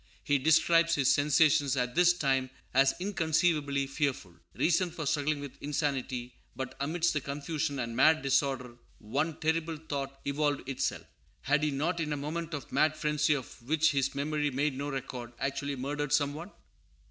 He describes his sensations at this time as inconceivably fearful. Reason was struggling with insanity; but amidst the confusion and mad disorder one terrible thought evolved itself. Had he not, in a moment of mad frenzy of which his memory made no record, actually murdered some one?